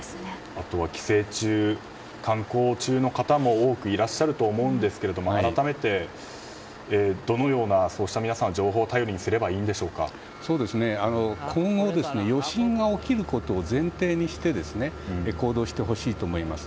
あとは帰省中、観光中の方も多くいらっしゃると思うんですが改めてそうした皆さんはどの情報を頼りにしたほうが今後、余震が起きることを前提にして行動してほしいと思います。